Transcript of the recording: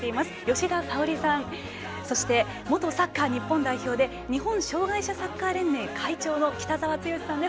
吉田沙保里さんそして、元サッカー日本代表で日本障がい者サッカー連盟会長の北澤豪さんです。